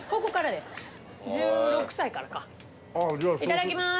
いただきまーす！